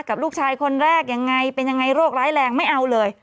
กับลูกชายคนแรกยังไงเป็นยังไงโรคร้ายแรงไม่เอาเลย